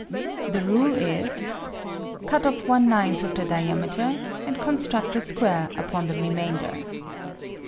The rule is : Cut off one ninth of the diameter and construct a square upon the remainder.